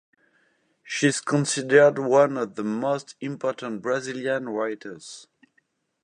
She is considered one of the most important Brazilian writers.